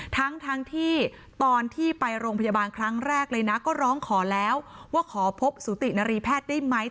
ทั้งที่ตอนที่ไปโรงพยาบาลครั้งแรกเลยนะก็ร้องขอแล้วว่าขอพบสุตินารีแพทย์ได้ไหม